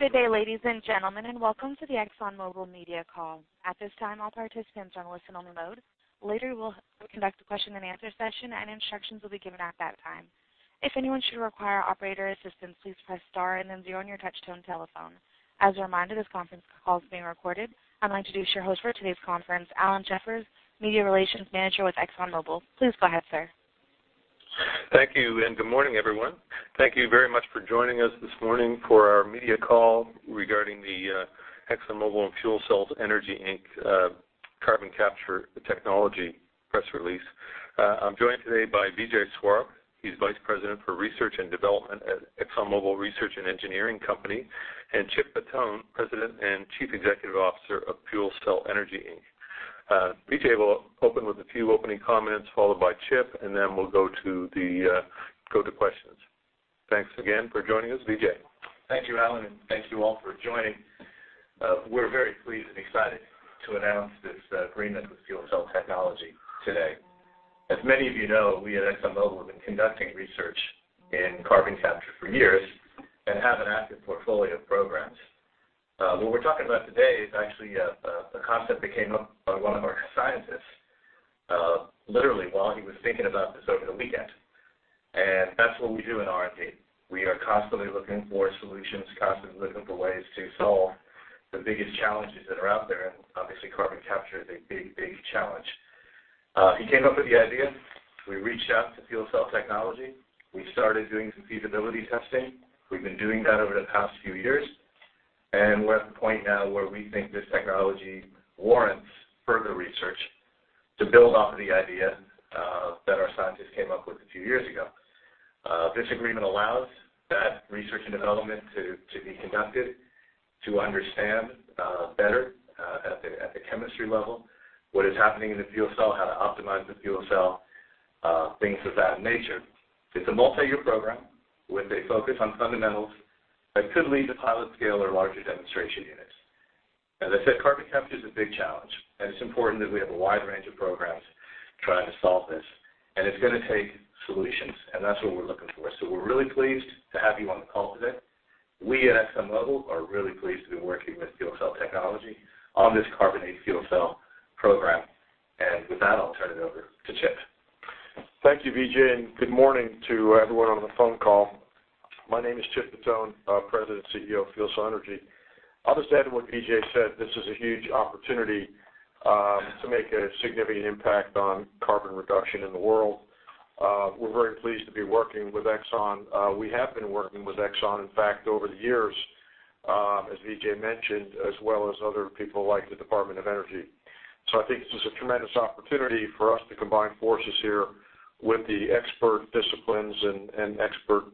Good day, ladies and gentlemen. Welcome to the ExxonMobil media call. At this time, all participants are in listen-only mode. Later, we'll conduct a question and answer session, and instructions will be given at that time. If anyone should require operator assistance, please press star and then zero on your touch-tone telephone. As a reminder, this conference call is being recorded. I'd like to introduce your host for today's conference, Alan Jeffers, Media Relations Manager with ExxonMobil. Please go ahead, sir. Thank you. Good morning, everyone. Thank you very much for joining us this morning for our media call regarding the ExxonMobil and FuelCell Energy, Inc. carbon capture technology press release. I'm joined today by Vijay Swarup. He's Vice President for Research and Development at ExxonMobil Research and Engineering Company, and Chip Bottone, President and Chief Executive Officer of FuelCell Energy, Inc. Vijay will open with a few opening comments, followed by Chip, and then we'll go to questions. Thanks again for joining us. Vijay? Thank you, Alan. Thank you all for joining. We're very pleased and excited to announce this agreement with FuelCell Technology today. As many of you know, we at ExxonMobil have been conducting research in carbon capture for years and have an active portfolio of programs. What we're talking about today is actually a concept that came up by one of our scientists literally while he was thinking about this over the weekend, and that's what we do in R&D. We are constantly looking for solutions, constantly looking for ways to solve the biggest challenges that are out there, and obviously, carbon capture is a big challenge. He came up with the idea. We reached out to FuelCell Technology. We started doing some feasibility testing. We've been doing that over the past few years, and we're at the point now where we think this technology warrants further research to build off of the idea that our scientists came up with a few years ago. This agreement allows that research and development to be conducted to understand better, at the chemistry level, what is happening in the fuel cell, how to optimize the fuel cell, things of that nature. It's a multi-year program with a focus on fundamentals that could lead to pilot scale or larger demonstration units. As I said, carbon capture is a big challenge, and it's important that we have a wide range of programs trying to solve this. It's going to take solutions, and that's what we're looking for. We're really pleased to have you on the call today. We at ExxonMobil are really pleased to be working with FuelCell Energy on this carbonate fuel cell program. With that, I'll turn it over to Chip. Thank you, Vijay. Good morning to everyone on the phone call. My name is Chip Bottone, President and CEO of FuelCell Energy. I'll just add to what Vijay said, this is a huge opportunity to make a significant impact on carbon reduction in the world. We're very pleased to be working with Exxon. We have been working with Exxon, in fact, over the years, as Vijay mentioned, as well as other people like the Department of Energy. I think this is a tremendous opportunity for us to combine forces here with the expert disciplines and expert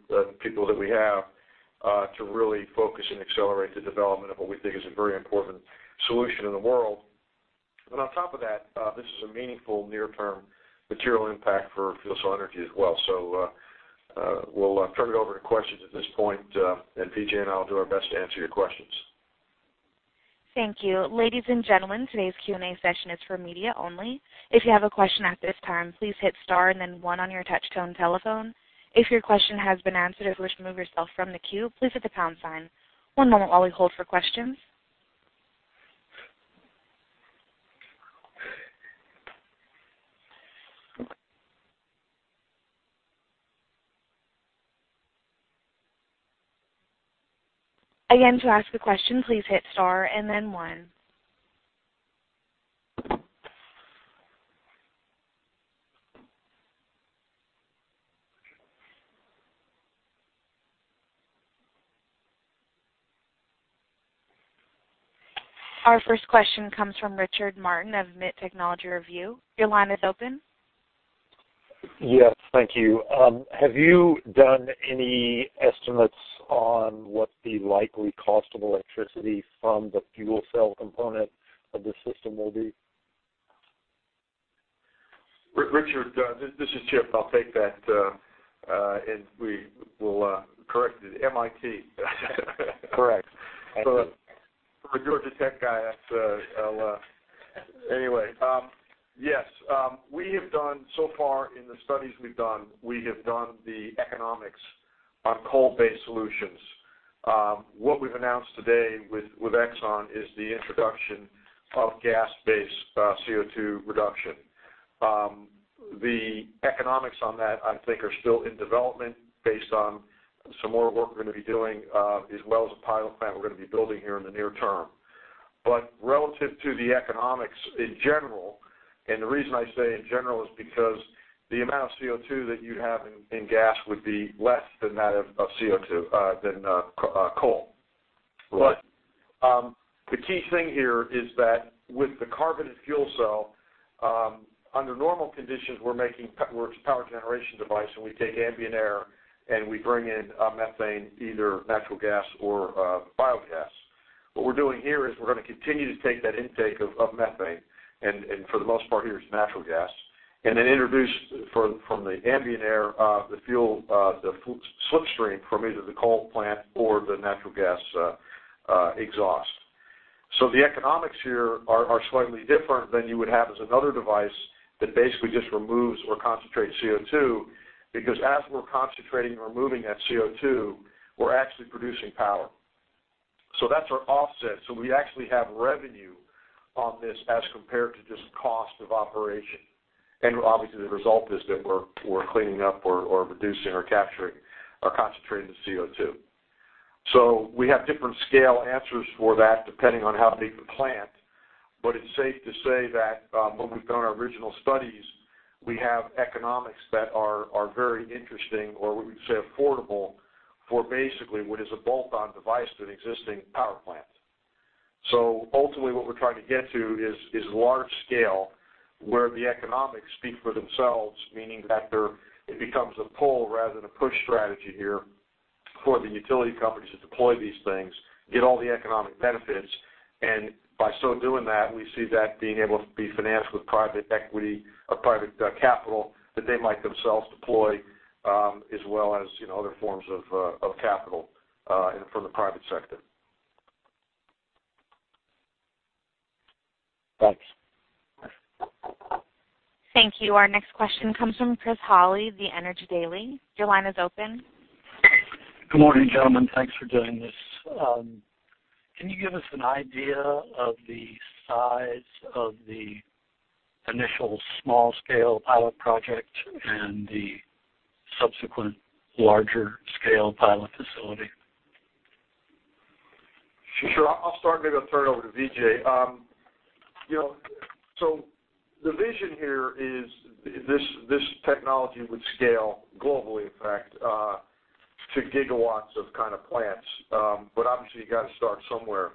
people that we have to really focus and accelerate the development of what we think is a very important solution in the world. On top of that, this is a meaningful near-term material impact for FuelCell Energy as well. We'll turn it over to questions at this point. Vijay and I will do our best to answer your questions. Thank you. Ladies and gentlemen, today's Q&A session is for media only. If you have a question at this time, please hit star and then one on your touch-tone telephone. If your question has been answered or if you wish to remove yourself from the queue, please hit the pound sign. One moment while we hold for questions. Again, to ask a question, please hit star and then one. Our first question comes from Richard Martin of MIT Technology Review. Your line is open. Yes. Thank you. Have you done any estimates on what the likely cost of electricity from the fuel cell component of this system will be? Richard, this is Chip. I'll take that, and we will correct it. MIT. Correct. Thank you. For a Georgia Tech guy. Anyway, yes. So far in the studies we've done, we have done the economics on coal-based solutions. What we've announced today with Exxon is the introduction of gas-based CO2 reduction. The economics on that, I think, are still in development based on some more work we're going to be doing, as well as a pilot plant we're going to be building here in the near term. Relative to the economics in general, and the reason I say in general is because the amount of CO2 that you have in gas would be less than that of coal. Right. The key thing here is that with the carbon and fuel cell, under normal conditions, we're a power generation device, and we take ambient air, and we bring in methane, either natural gas or biogas. What we're doing here is we're going to continue to take that intake of methane, and for the most part here, it's natural gas, and then introduce from the ambient air, the fuel, the slipstream from either the coal plant or the natural gas exhaust. The economics here are slightly different than you would have as another device that basically just removes or concentrates CO2, because as we're concentrating and removing that CO2, we're actually producing power. That's our offset. We actually have revenue on this as compared to just cost of operation. Obviously, the result is that we're cleaning up or reducing or capturing or concentrating the CO2. We have different scale answers for that, depending on how big the plant, it's safe to say that when we've done our original studies, we have economics that are very interesting, or we would say affordable, for basically what is a bolt-on device to an existing power plant. Ultimately, what we're trying to get to is large scale, where the economics speak for themselves, meaning that it becomes a pull rather than a push strategy here for the utility companies to deploy these things, get all the economic benefits. By so doing that, we see that being able to be financed with private equity or private capital that they might themselves deploy, as well as other forms of capital from the private sector. Thanks. Thank you. Our next question comes from Chris Hawley of the Energy Daily. Your line is open. Good morning, gentlemen. Thanks for doing this. Can you give us an idea of the size of the initial small-scale pilot project and the subsequent larger scale pilot facility? Sure. I'll start and maybe I'll turn it over to Vijay Swarup. The vision here is this technology would scale globally, in fact, to gigawatts of plants. Obviously, you got to start somewhere.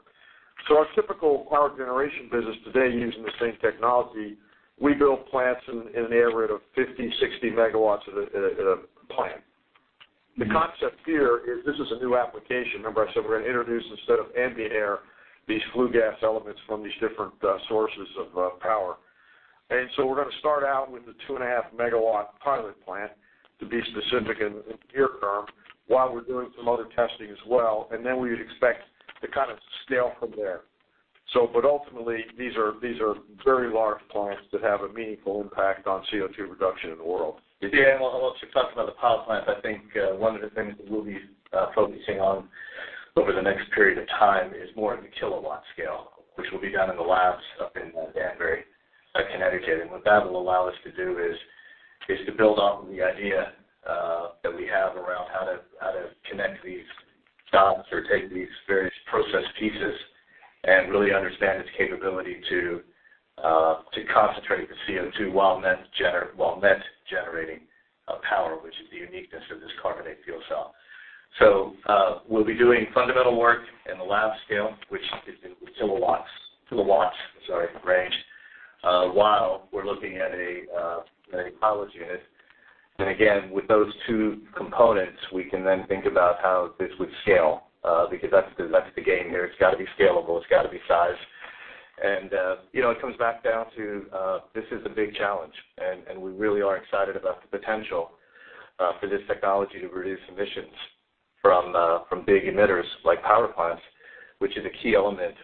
Our typical power generation business today, using the same technology, we build plants in the neighborhood of 50, 60 megawatts at a plant. The concept here is this is a new application. Remember I said we're going to introduce, instead of ambient air, these flue gas elements from these different sources of power. We're going to start out with a 2.5 megawatt pilot plant to be specific in the near term, while we're doing some other testing as well. Then we would expect to scale from there. Ultimately, these are very large plants that have a meaningful impact on CO2 reduction in the world. Vijay Swarup and I, while Chip Bottone talks about the power plants, I think one of the things that we'll be focusing on over the next period of time is more in the kilowatt scale, which will be done in the labs up in Danbury, Connecticut. What that will allow us to do is to build off of the idea that we have around how to connect these dots or take these various process pieces and really understand its capability to concentrate the CO2 while meant generating power, which is the uniqueness of this carbonate fuel cell. We'll be doing fundamental work in the lab scale, which is in the kilowatts range, while we're looking at a pilot unit. Again, with those two components, we can then think about how this would scale, because that's the game here. It's got to be scalable. It's got to be sized. It comes back down to this is a big challenge, and we really are excited about the potential for this technology to reduce emissions from big emitters like power plants, which is a key element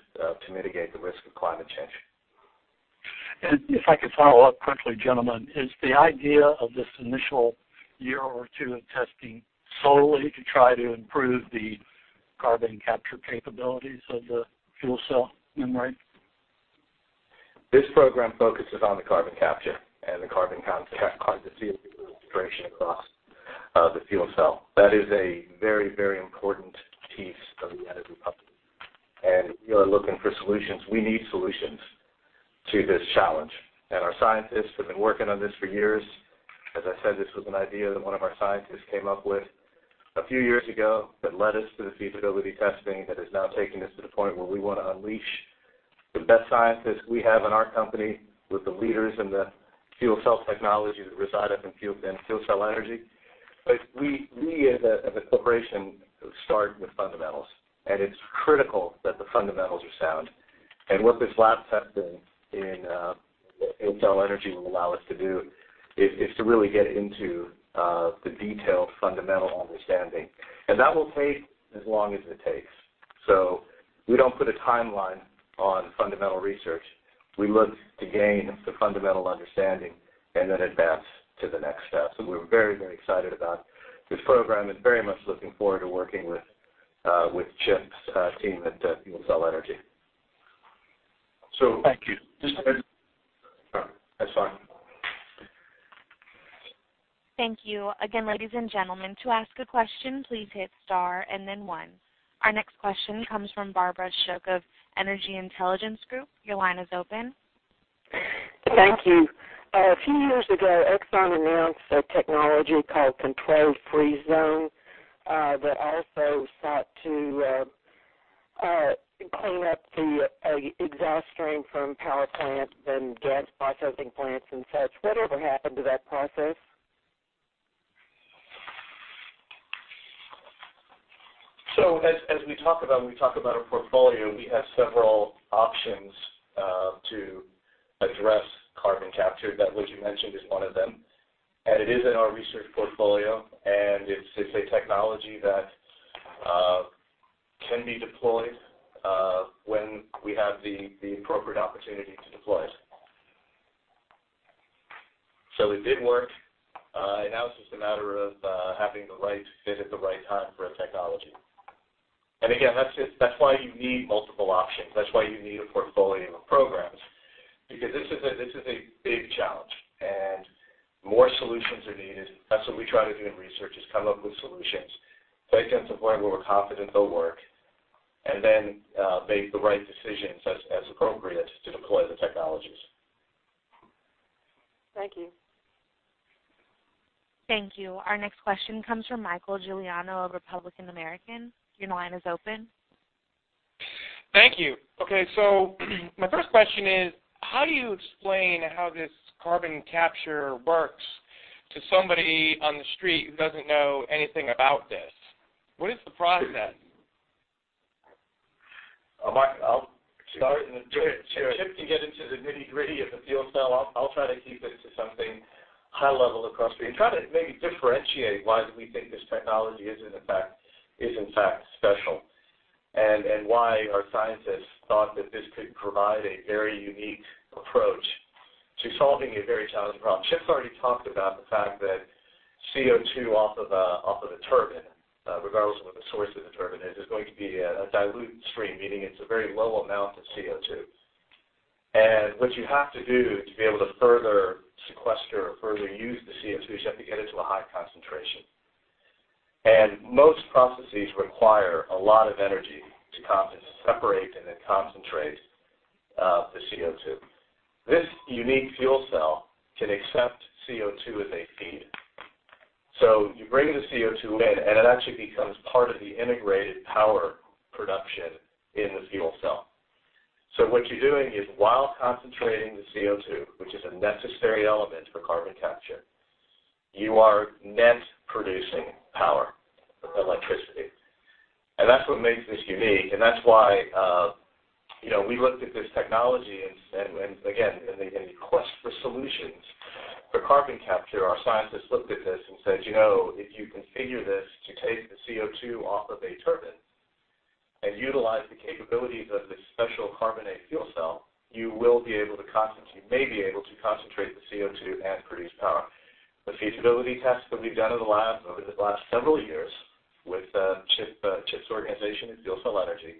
to mitigate the risk of climate change. If I could follow up quickly, gentlemen, is the idea of this initial year or two of testing solely to try to improve the carbon capture capabilities of the fuel cell membrane? This program focuses on the carbon capture and the carbon concentration across the fuel cell. That is a very important piece from the edit we published. We are looking for solutions. We need solutions to this challenge. Our scientists have been working on this for years. As I said, this was an idea that one of our scientists came up with a few years ago that led us to the feasibility testing that has now taken us to the point where we want to unleash the best scientists we have in our company with the leaders in the fuel cell technology that reside up in FuelCell Energy. We, as a corporation, start with fundamentals, and it's critical that the fundamentals are sound. What this lab testing in FuelCell Energy will allow us to do is to really get into the detailed fundamental understanding. That will take as long as it takes. We don't put a timeline on fundamental research. We look to gain the fundamental understanding and then advance to the next step. We're very excited about this program and very much looking forward to working with Chip's team at FuelCell Energy. Thank you. That's fine. Thank you. Again, ladies and gentlemen, to ask a question, please hit star and then one. Our next question comes from Barbara Shook of Energy Intelligence Group. Your line is open. Thank you. A few years ago, Exxon announced a technology called Controlled Freeze Zone, that also sought to clean up the exhaust stream from power plants and gas processing plants and such. Whatever happened to that process? As we talk about our portfolio, we have several options To address carbon capture. That which you mentioned is one of them, and it is in our research portfolio, and it's a technology that can be deployed when we have the appropriate opportunity to deploy it. It did work. Now it's just a matter of having the right fit at the right time for a technology. Again, that's why you need multiple options. That's why you need a portfolio of programs, because this is a big challenge and more solutions are needed. That's what we try to do in research, is come up with solutions, take them to the point where we're confident they'll work, and then make the right decisions as appropriate to deploy the technologies. Thank you. Thank you. Our next question comes from Michael Giuliani of Republican-American. Your line is open. Thank you. My first question is, how do you explain how this carbon capture works to somebody on the street who doesn't know anything about this? What is the process? I'll start. Sure. Chip can get into the nitty-gritty of the fuel cell. I'll try to keep it to something high level. Try to maybe differentiate why do we think this technology is in fact special, and why our scientists thought that this could provide a very unique approach to solving a very challenging problem. Chip's already talked about the fact that CO2 off of a turbine, regardless of what the source of the turbine is going to be a dilute stream, meaning it's a very low amount of CO2. What you have to do to be able to further sequester or further use the CO2 is you have to get it to a high concentration. Most processes require a lot of energy to separate and then concentrate the CO2. This unique fuel cell can accept CO2 as a feed. You bring the CO2 in, and it actually becomes part of the integrated power production in the fuel cell. What you're doing is, while concentrating the CO2, which is a necessary element for carbon capture, you are net producing power, electricity. That's what makes this unique, and that's why we looked at this technology and again, in a quest for solutions for carbon capture, our scientists looked at this and said, "If you configure this to take the CO2 off of a turbine and utilize the capabilities of this special carbonate fuel cell, you may be able to concentrate the CO2 and produce power." The feasibility tests that we've done in the lab over the last several years with Chip's organization at FuelCell Energy,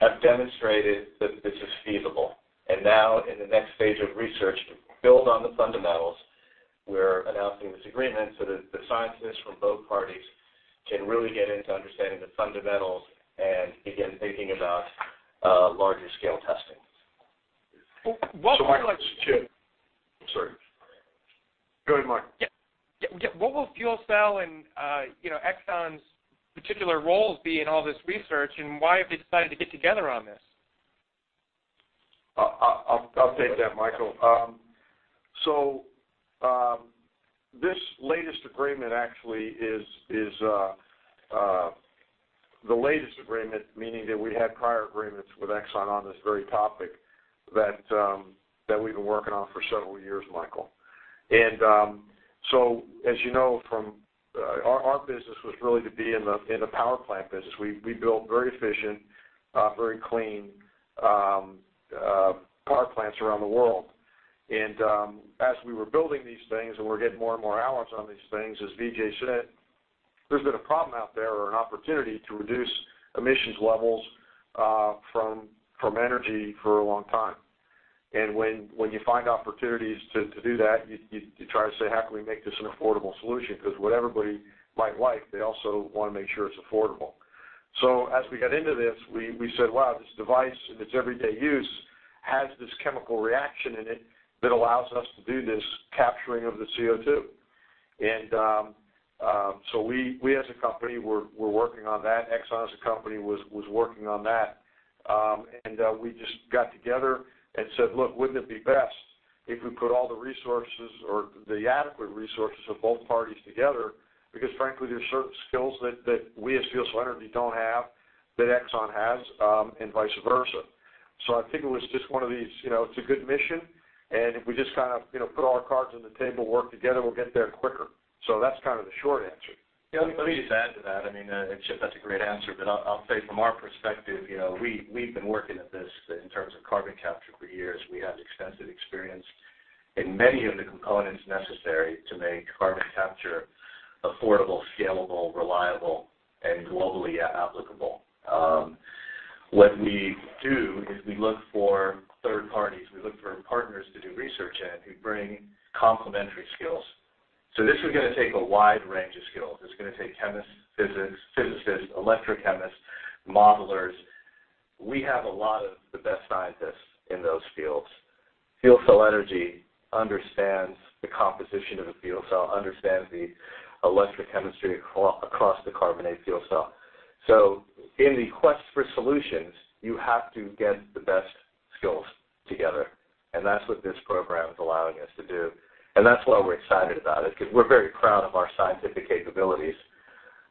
have demonstrated that this is feasible. Now in the next stage of research, to build on the fundamentals, we're announcing this agreement so that the scientists from both parties can really get into understanding the fundamentals and begin thinking about larger scale testing. Well- Mike, this is Chip. I'm sorry. Go ahead, Mike. Yeah. What will FuelCell and Exxon's particular roles be in all this research, and why have they decided to get together on this? I'll take that, Michael. This latest agreement actually is the latest agreement, meaning that we had prior agreements with Exxon on this very topic that we've been working on for several years, Michael. As you know, our business was really to be in the power plant business. We build very efficient, very clean power plants around the world. As we were building these things and we're getting more and more hours on these things, as Vijay said, there's been a problem out there or an opportunity to reduce emissions levels from energy for a long time. When you find opportunities to do that, you try to say, "How can we make this an affordable solution?" Because what everybody might like, they also want to make sure it's affordable. As we got into this, we said, "Wow, this device and its everyday use has this chemical reaction in it that allows us to do this capturing of the CO2." We as a company were working on that. Exxon as a company was working on that. We just got together and said, "Look, wouldn't it be best if we put all the resources or the adequate resources of both parties together?" Because frankly, there are certain skills that we as FuelCell Energy don't have that Exxon has, and vice versa. I think it was just one of these, it's a good mission, and if we just put all our cards on the table, work together, we'll get there quicker. That's the short answer. Yeah, let me just add to that. Chip, that's a great answer, but I'll say from our perspective, we've been working at this in terms of carbon capture for years. We have extensive experience in many of the components necessary to make carbon capture affordable, scalable, reliable, and globally applicable. What we do is we look for third parties, we look for partners to do research in who bring complementary skills. This is going to take a wide range of skills. It's going to take chemists, physicists, electrochemists, modelers. We have a lot of the best scientists in those fields. FuelCell Energy understands the composition of a fuel cell, understands the electrochemistry across the carbonate fuel cell. In the quest for solutions, you have to get the best skills together, and that's what this program is allowing us to do, and that's why we're excited about it, because we're very proud of our scientific capabilities.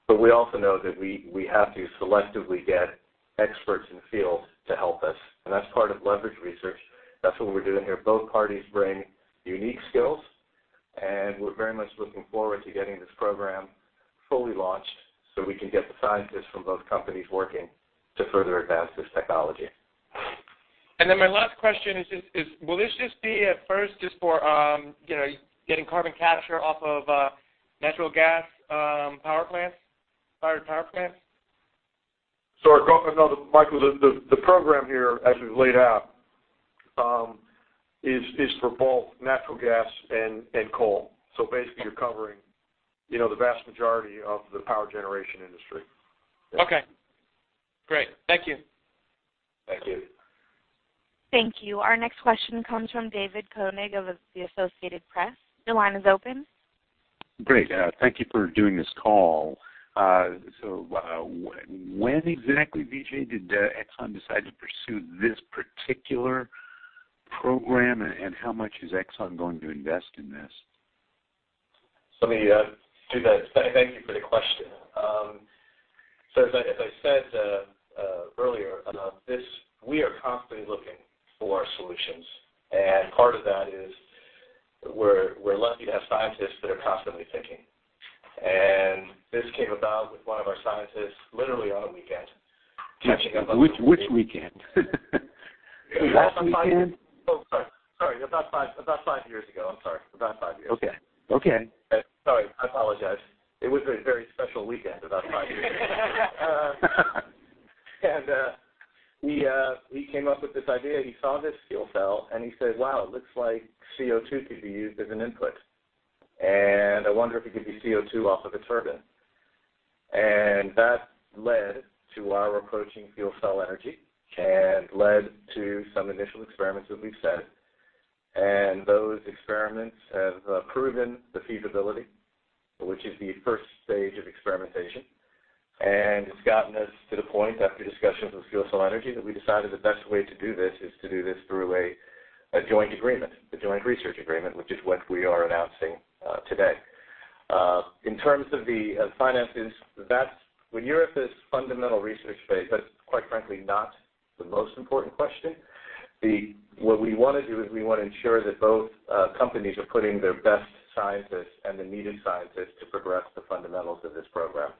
We also know that we have to selectively get experts in the field to help us, and that's part of leverage research. That's what we're doing here. Both parties bring unique skills, and we're very much looking forward to getting this program fully launched so we can get the scientists from both companies working to further advance this technology. my last question is, will this just be at first just for getting carbon capture off of natural gas power plants, fired power plants? Michael, the program here, as we've laid out, is for both natural gas and coal. Basically, you're covering the vast majority of the power generation industry. Okay, great. Thank you. Thank you. Thank you. Our next question comes from David Koenig of The Associated Press. Your line is open. Great. Thank you for doing this call. When exactly, Vijay, did Exxon decide to pursue this particular program, and how much is Exxon going to invest in this? Let me do that. Thank you for the question. As I said earlier, we are constantly looking for solutions. Part of that is we're lucky to have scientists that are constantly thinking. This came about with one of our scientists, literally on a weekend, catching up. Which weekend? Last weekend? Oh, sorry. About five years ago. I'm sorry. About five years. Okay. Sorry. I apologize. It was a very special weekend about five years ago. He came up with this idea. He saw this fuel cell, and he said, "Wow, it looks like CO2 could be used as an input, and I wonder if it could be CO2 off of a turbine." That led to our approaching FuelCell Energy, and led to some initial experiments, as we've said. Those experiments have proven the feasibility, which is the first stage of experimentation. It's gotten us to the point, after discussions with FuelCell Energy, that we decided the best way to do this is to do this through a joint agreement, a joint research agreement, which is what we are announcing today. In terms of the finances, when you're at this fundamental research phase, that's quite frankly not the most important question. What we want to do is we want to ensure that both companies are putting their best scientists and the needed scientists to progress the fundamentals of this program.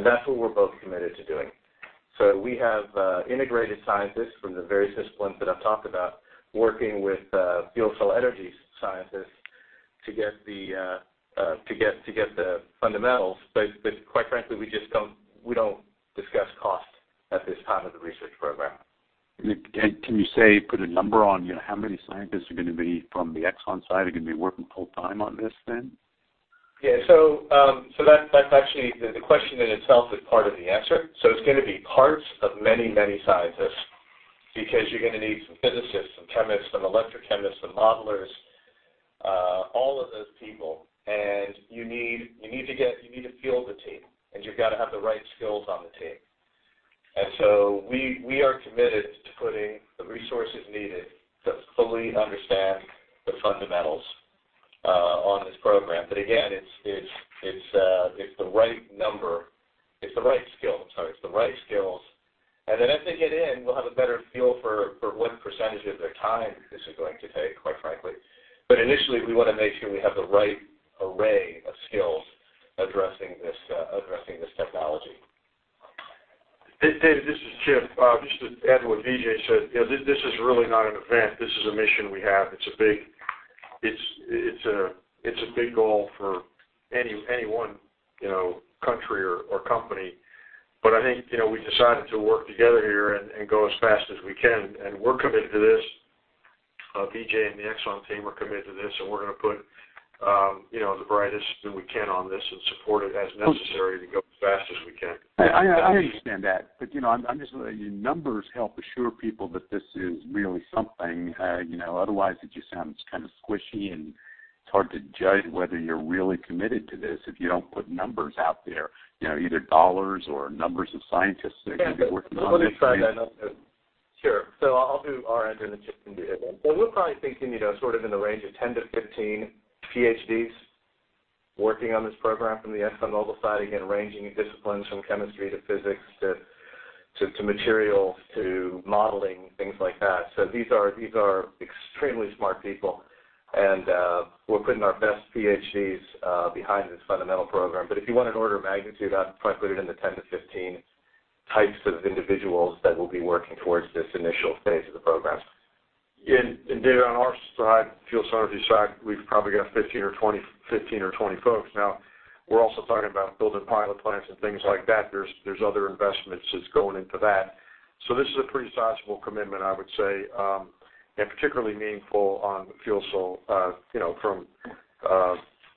That's what we're both committed to doing. We have integrated scientists from the various disciplines that I've talked about, working with FuelCell Energy's scientists to get the fundamentals. Quite frankly, we don't discuss cost at this time of the research program. Can you put a number on how many scientists are going to be from the Exxon side, are going to be working full time on this, then? Yeah. That's actually, the question in itself is part of the answer. It's going to be parts of many scientists, because you're going to need some physicists, some chemists, some electrochemists, some modelers, all of those people. You need to field the team, and you've got to have the right skills on the team. We are committed to putting the resources needed to fully understand the fundamentals on this program. Again, it's the right skills. As they get in, we'll have a better feel for what percentage of their time this is going to take, quite frankly. Initially, we want to make sure we have the right array of skills addressing this technology. David, this is Chip. Just to add to what Vijay said, this is really not an event. This is a mission we have. It's a big goal for any one country or company. I think we decided to work together here and go as fast as we can. We're committed to this. Vijay and the Exxon team are committed to this, we're going to put the brightest that we can on this and support it as necessary to go as fast as we can. I understand that. Numbers help assure people that this is really something. Otherwise, it just sounds squishy, and it's hard to judge whether you're really committed to this if you don't put numbers out there, either dollars or numbers of scientists that are going to be working on this. Sure. I'll do our end, and then Chip can do his end. We're probably thinking sort of in the range of 10-15 PhDs working on this program from the ExxonMobil side, again, ranging in disciplines from chemistry to physics to materials to modeling, things like that. These are extremely smart people, and we're putting our best PhDs behind this fundamental program. If you want an order of magnitude, I'd probably put it in the 10-15 types of individuals that will be working towards this initial phase of the program. David, on our side, FuelCell Energy's side, we've probably got 15 or 20 folks. Now, we're also talking about building pilot plants and things like that. There's other investments that's going into that. This is a pretty sizable commitment, I would say, and particularly meaningful on the fuel cell.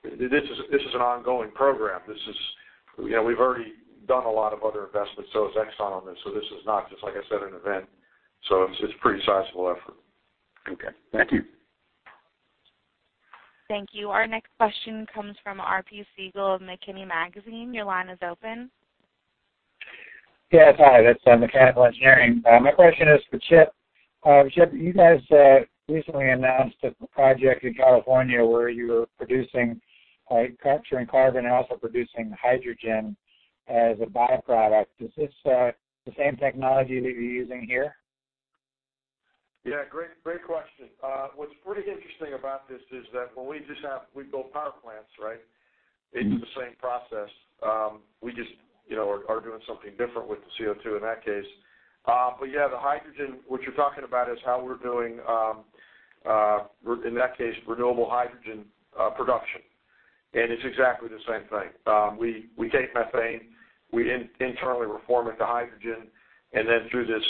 This is an ongoing program. We've already done a lot of other investments, so has Exxon on this. This is not just, like I said, an event. It's a pretty sizable effort. Okay. Thank you. Thank you. Our next question comes from RP Siegel of McKinney Magazine. Your line is open. Yes. Hi, that's Mechanical Engineering. My question is for Chip. Chip, you guys recently announced a project in California where you were capturing carbon and also producing hydrogen as a byproduct. Is this the same technology that you're using here? Yeah, great question. What's pretty interesting about this is that when we build power plants, it's the same process. We just are doing something different with the CO2, in that case. Yeah, the hydrogen, what you're talking about is how we're doing, in that case, renewable hydrogen production. It's exactly the same thing. We take methane, we internally reform it to hydrogen, and then through this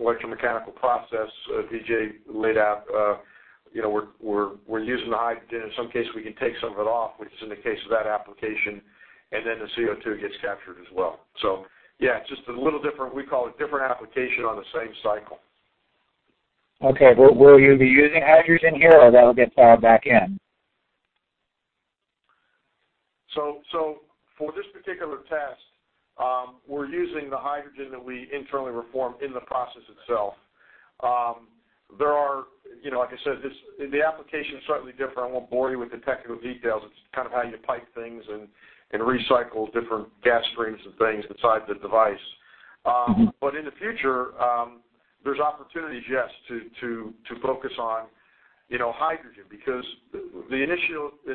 electromechanical process Vijay laid out, we're using the hydrogen. In some case, we can take some of it off, which is in the case of that application, and then the CO2 gets captured as well. Yeah, just a little different. We call it different application on the same cycle. Okay. Will you be using hydrogen here or that'll get fired back in? For this particular test, we're using the hydrogen that we internally reform in the process itself. Like I said, the application is slightly different. I won't bore you with the technical details. It's kind of how you pipe things and recycle different gas streams and things inside the device. In the future, there's opportunities, yes, to focus on hydrogen, because the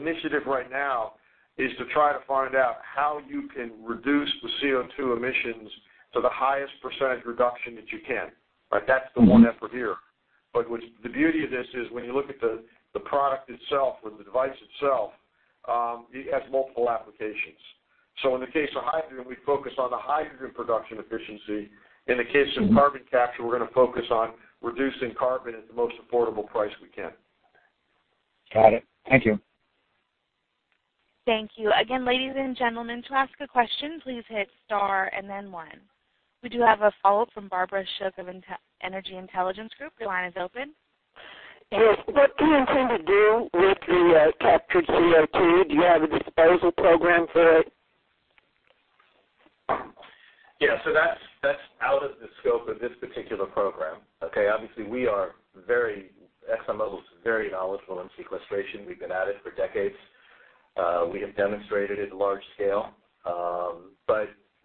initiative right now is to try to find out how you can reduce the CO2 emissions to the highest % reduction that you can. That's the one effort here. The beauty of this is when you look at the product itself or the device itself, it has multiple applications. In the case of hydrogen, we focus on the hydrogen production efficiency. In the case of carbon capture, we're going to focus on reducing carbon at the most affordable price we can. Got it. Thank you. Thank you. Again, ladies and gentlemen, to ask a question, please hit star and then one. We do have a follow-up from Barbara Shook of Energy Intelligence Group. Your line is open. Yes. What do you intend to do with the captured CO2? Do you have a disposal program for it? Yeah. That's out of the scope of this particular program, okay? Obviously, we are, at some levels, very knowledgeable in sequestration. We've been at it for decades. We have demonstrated it large scale.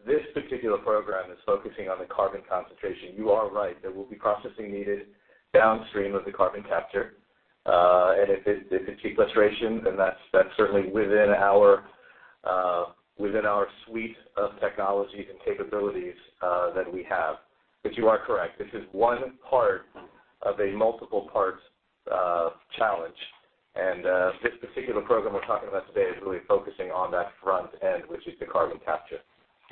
This particular program is focusing on the carbon concentration. You are right, there will be processing needed downstream of the carbon capture. If it's sequestration, then that's certainly within our suite of technologies and capabilities that we have. You are correct, this is one part of a multiple parts challenge. This particular program we're talking about today is really focusing on that front end, which is the carbon capture.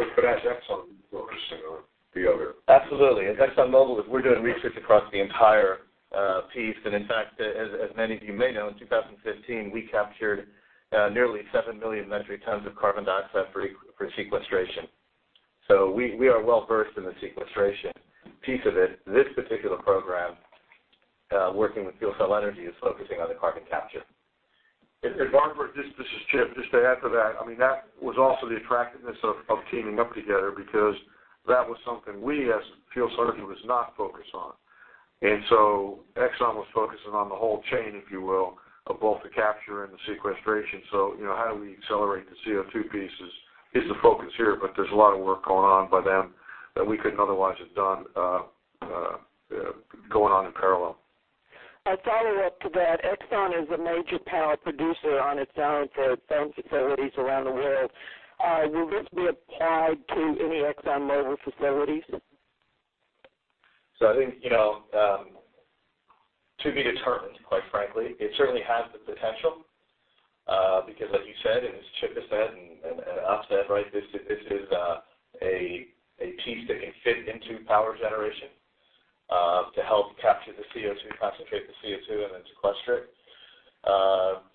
As Exxon, we're focusing on the other. Absolutely. At ExxonMobil, we're doing research across the entire piece. In fact, as many of you may know, in 2015, we captured nearly 7 million metric tons of carbon dioxide for sequestration. We are well-versed in the sequestration piece of it. This particular program, working with FuelCell Energy, is focusing on the carbon capture. Barbara, this is Chip. Just to add to that was also the attractiveness of teaming up together because that was something we, as FuelCell Energy, was not focused on. Exxon was focusing on the whole chain, if you will, of both the capture and the sequestration. How do we accelerate the CO2 piece is the focus here, but there's a lot of work going on by them that we couldn't otherwise have done going on in parallel. A follow-up to that. Exxon is a major power producer on its own for its own facilities around the world. Will this be applied to any ExxonMobil facilities? I think, to be determined, quite frankly. It certainly has the potential, because like you said, and as Chip has said, and as I've said, this is a piece that can fit into power generation, to help capture the CO2, concentrate the CO2, and then sequester it.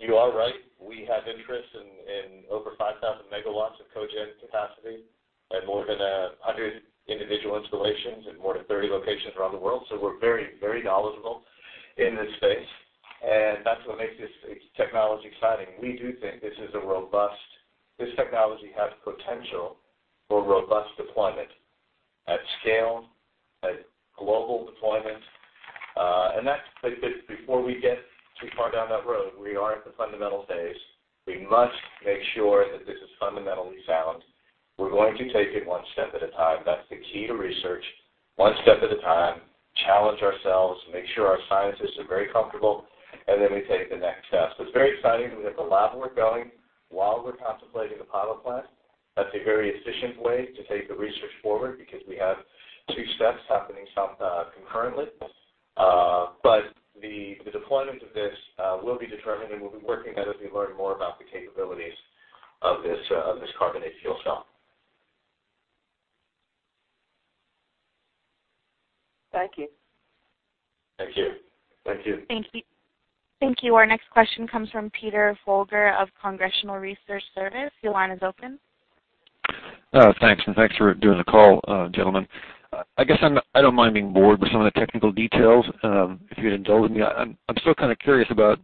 You are right, we have interest in over 5,000 megawatts of cogen capacity and more than 100 individual installations in more than 30 locations around the world. We're very knowledgeable in this space, and that's what makes this technology exciting. We do think this technology has potential for robust deployment at scale, at global deployment. Before we get too far down that road, we are at the fundamental phase. We must make sure that this is fundamentally sound. We're going to take it one step at a time. That's the key to research, one step at a time, challenge ourselves, make sure our scientists are very comfortable, and then we take the next step. It's very exciting. We have the lab work going while we're contemplating the pilot plant. That's a very efficient way to take the research forward because we have two steps happening concurrently. The deployment of this will be determined, and we'll be working as we learn more about the capabilities of this carbonate fuel cell. Thank you. Thank you. Thank you. Thank you. Our next question comes from Peter Folger of Congressional Research Service. Your line is open. Thanks. Thanks for doing the call, gentlemen. I guess I don't mind being bored with some of the technical details, if you'd indulge me. I'm still kind of curious about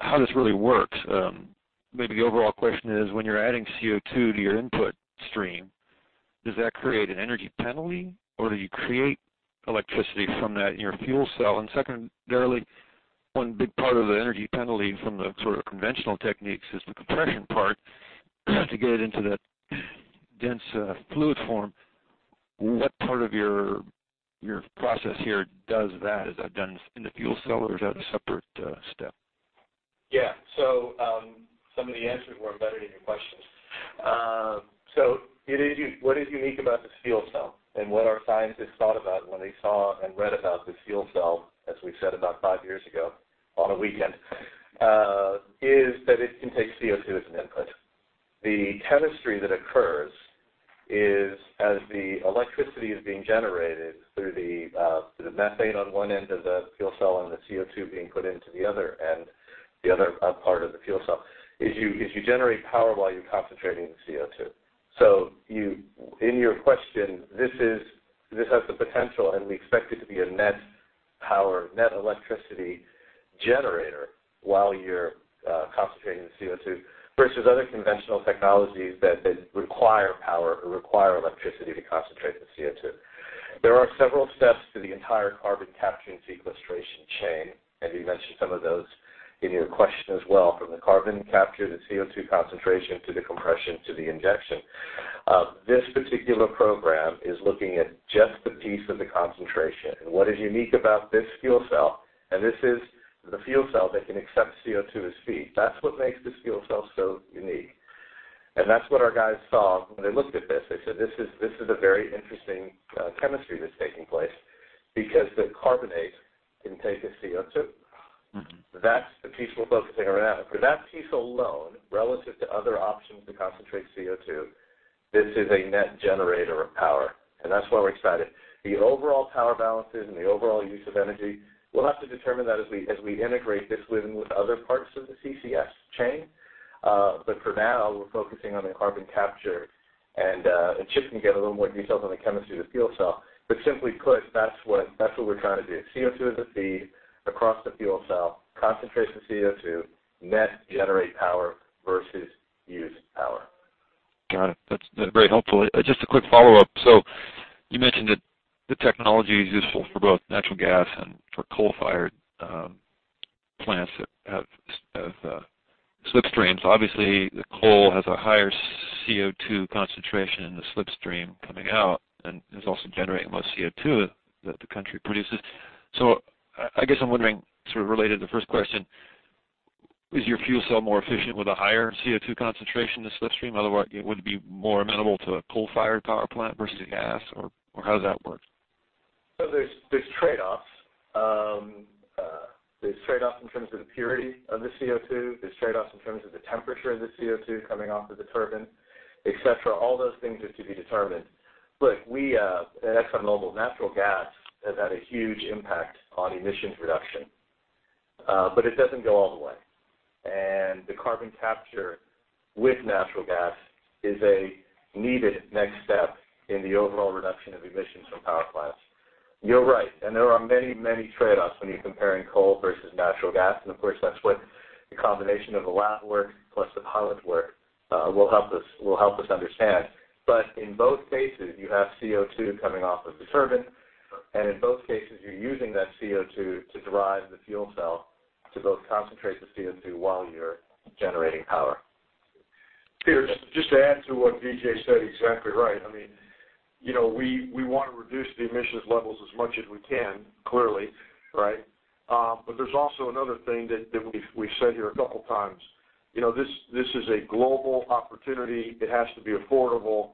how this really works, maybe the overall question is when you're adding CO2 to your input stream, does that create an energy penalty, or do you create electricity from that in your fuel cell? Secondarily, one big part of the energy penalty from the sort of conventional techniques is the compression part to get it into that dense fluid form. What part of your process here does that? Is that done in the fuel cell, or is that a separate step? Yeah. Some of the answers were embedded in your questions. What is unique about this fuel cell, and what our scientists thought about when they saw and read about this fuel cell, as we said about five years ago on a weekend, is that it can take CO2 as an input. The chemistry that occurs is as the electricity is being generated through the methane on one end of the fuel cell and the CO2 being put into the other end, the other part of the fuel cell, is you generate power while you're concentrating the CO2. In your question, this has the potential, and we expect it to be a net power, net electricity generator while you're concentrating the CO2, versus other conventional technologies that require power or require electricity to concentrate the CO2. There are several steps to the entire carbon capture and sequestration chain, you mentioned some of those in your question as well, from the carbon capture, the CO2 concentration, to the compression, to the injection. This particular program is looking at just the piece of the concentration and what is unique about this fuel cell, this is the fuel cell that can accept CO2 as feed. That's what makes this fuel cell so unique, and that's what our guys saw when they looked at this. They said, "This is a very interesting chemistry that's taking place because the carbonate can take the CO2. That's the piece we're focusing around. For that piece alone, relative to other options to concentrate CO2, this is a net generator of power, and that's why we're excited. The overall power balances and the overall use of energy, we'll have to determine that as we integrate this within with other parts of the CCS chain. For now, we're focusing on the carbon capture and, Chip can get a little more detail on the chemistry of the fuel cell. Simply put, that's what we're trying to do. CO2 as a feed across the fuel cell, concentrate the CO2, net generate power versus use power. Got it. That's very helpful. Just a quick follow-up. You mentioned that the technology is useful for both natural gas and for coal-fired plants that have slip streams. Obviously, the coal has a higher CO2 concentration in the slip stream coming out and is also generating most CO2 that the country produces. I guess I'm wondering, sort of related to the first question, is your fuel cell more efficient with a higher CO2 concentration in the slip stream? Otherwise, would it be more amenable to a coal-fired power plant versus gas or how does that work? There's trade-offs. There's trade-offs in terms of the purity of the CO2. There's trade-offs in terms of the temperature of the CO2 coming off of the turbine, et cetera. All those things are to be determined. Look, at ExxonMobil, natural gas has had a huge impact on emissions reduction. It doesn't go all the way. The carbon capture with natural gas is a needed next step in the overall reduction of emissions from power plants. You're right, there are many trade-offs when you're comparing coal versus natural gas. Of course, that's what the combination of the lab work plus the pilot work will help us understand. In both cases, you have CO2 coming off of the turbine, and in both cases, you're using that CO2 to drive the fuel cell to both concentrate the CO2 while you're generating power. Peter, just to add to what Vijay said, exactly right. We want to reduce the emissions levels as much as we can, clearly, right? There's also another thing that we've said here a couple of times. This is a global opportunity. It has to be affordable.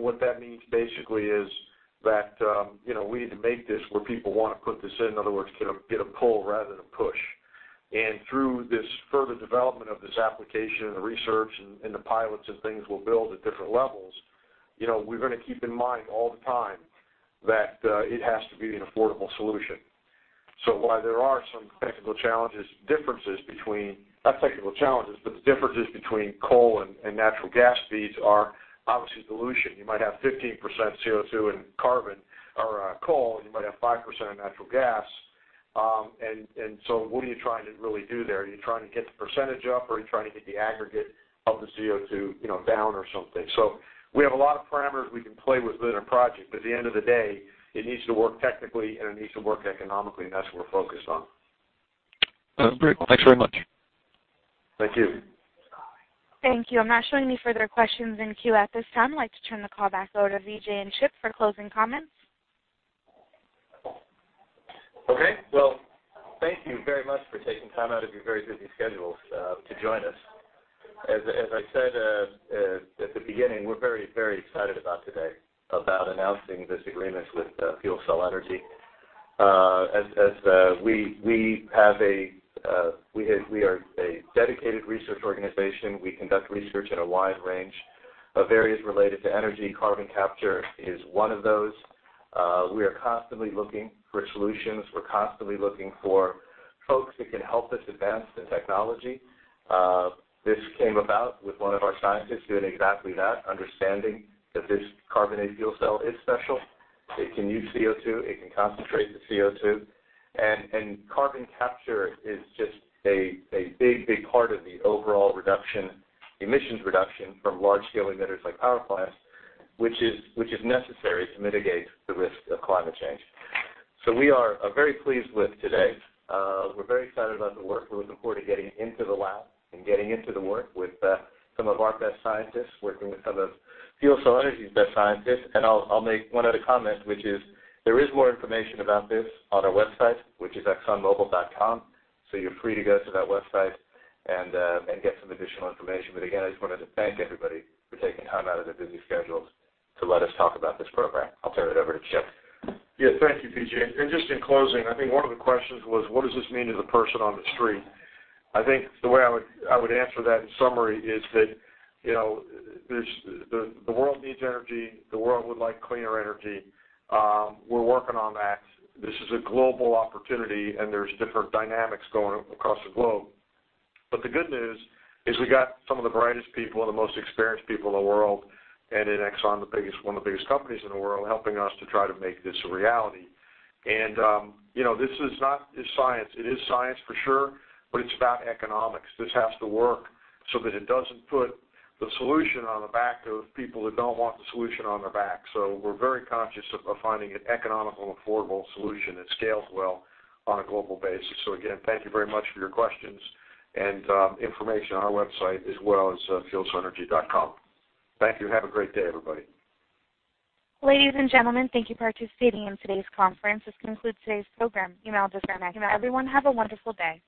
What that means basically is that we need to make this where people want to put this in. In other words, get a pull rather than a push. Through this further development of this application and the research and the pilots and things we'll build at different levels, we're going to keep in mind all the time that it has to be an affordable solution. While there are some technical challenges, not technical challenges, but the differences between coal and natural gas feeds are obviously dilution. You might have 15% CO2 in carbon or coal, you might have 5% in natural gas. What are you trying to really do there? Are you trying to get the percentage up, or are you trying to get the aggregate of the CO2 down or something? We have a lot of parameters we can play with in a project, but at the end of the day, it needs to work technically, it needs to work economically, that's what we're focused on. Great. Well, thanks very much. Thank you. Thank you. I'm not showing any further questions in queue at this time. I'd like to turn the call back over to Vijay and Chip for closing comments. Okay. Well, thank you very much for taking time out of your very busy schedules to join us. As I said at the beginning, we're very excited about today, about announcing this agreement with FuelCell Energy. We are a dedicated research organization. We conduct research in a wide range of areas related to energy. carbon capture is one of those. We are constantly looking for solutions. We're constantly looking for folks that can help us advance the technology. This came about with one of our scientists doing exactly that, understanding that this carbonate fuel cell is special. It can use CO2, it can concentrate the CO2. carbon capture is just a big part of the overall emissions reduction from large-scale emitters like power plants, which is necessary to mitigate the risk of climate change. We are very pleased with today. We're very excited about the work. We're looking forward to getting into the lab and getting into the work with some of our best scientists, working with some of FuelCell Energy's best scientists. I'll make one other comment, which is, there is more information about this on our website, which is exxonmobil.com. You're free to go to that website and get some additional information. Again, I just wanted to thank everybody for taking time out of their busy schedules to let us talk about this program. I'll turn it over to Chip. Yeah. Thank you, Vijay. Just in closing, I think one of the questions was, what does this mean to the person on the street? I think the way I would answer that, in summary, is that the world needs energy. The world would like cleaner energy. We're working on that. This is a global opportunity, and there's different dynamics going across the globe. The good news is we got some of the brightest people and the most experienced people in the world, and in Exxon, one of the biggest companies in the world, helping us to try to make this a reality. This is not just science. It is science for sure, but it's about economics. This has to work so that it doesn't put the solution on the back of people that don't want the solution on their back. We're very conscious of finding an economical, affordable solution that scales well on a global basis. Again, thank you very much for your questions and information on our website, as well as fuelcellenergy.com. Thank you. Have a great day, everybody. Ladies and gentlemen, thank you for participating in today's conference. This concludes today's program. You may all disconnect. Everyone have a wonderful day.